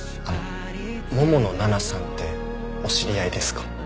桃野奈々さんってお知り合いですか？